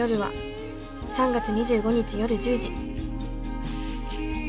３月２５日夜１０時。